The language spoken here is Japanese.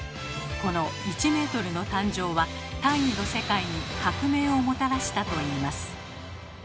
この１ｍの誕生は単位の世界に革命をもたらしたといいます。